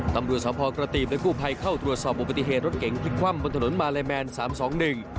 ตำรวจสาวพกระติบและกู้ภัยเข้าตรวจสอบอุบัติเหตุรถเก่งพลิกคว่ำบนถนนมาลายแมน๓๒๑